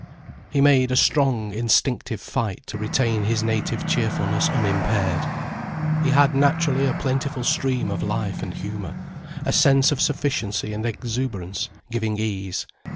He made a strong, instinctive fight to retain his native cheerfulness unimpaired. He had naturally a plentiful stream of life and humour, a sense of sufficiency and exuberance, giving ease.